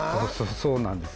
そうなんです